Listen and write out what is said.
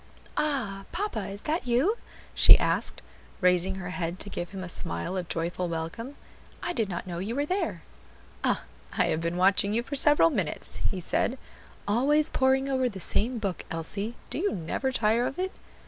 "Ah! papa, is that you?" she asked, raising her head to give him a smile of joyful welcome. "I did not know you were there." "Ah! I have been watching you for several minutes," he said; "always poring over the same book, Elsie; do you never tire of it?"